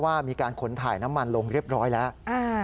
ว่ามีการขนถ่ายน้ำมันลงเรียบร้อยแล้ว